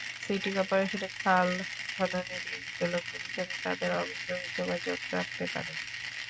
City করপোরেশনের খাল খননে নিয়োজিত লোকজনের সঙ্গে তাঁদের অবৈধ যোগাসাজশ থাকতে পারে।